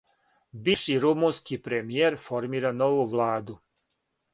Бивши румунски премијер формира нову владу